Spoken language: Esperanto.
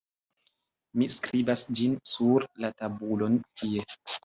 mi skribas ĝin sur la tabulon tie.